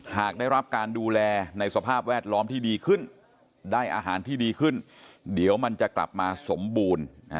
หากได้รับการดูแลในสภาพแวดล้อมที่ดีขึ้นได้อาหารที่ดีขึ้นเดี๋ยวมันจะกลับมาสมบูรณ์